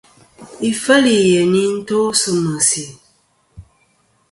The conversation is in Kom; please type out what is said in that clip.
Ifêl yèyn ì nɨn to sɨ mèsì.